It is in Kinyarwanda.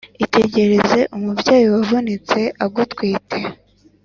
Itegereze umubyeyi Wavunitse agutwite